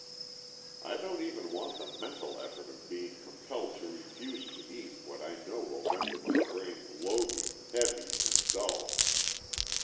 I don't even want the mental effort of being compelled to refuse to eat what I know will render my brain "logy," heavy, and dull.